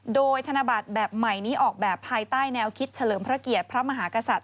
โดยธนบัตรแบบใหม่นี้ออกแบบภายใต้แนวคิดเฉลิมพระเกียรติพระมหากษัตริย